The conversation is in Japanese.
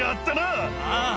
ああ。